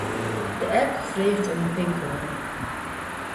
De app freget om in pinkoade.